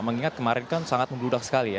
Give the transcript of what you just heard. mengingat kemarin kan sangat membludak sekali ya